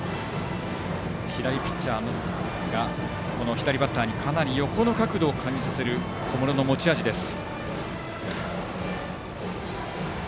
左バッターにかなり横の角度を感じさせる小室の持ち味です。